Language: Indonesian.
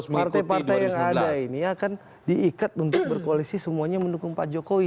partai partai yang ada ini akan diikat untuk berkoalisi semuanya mendukung pak jokowi